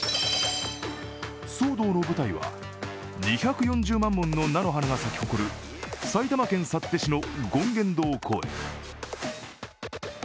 騒動の舞台は２４０万本の菜の花が咲き誇る埼玉県幸手市の権現堂公園。